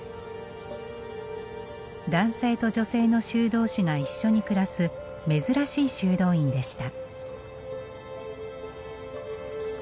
男性と女性の修道士が一緒に暮らす珍しい修道院でした。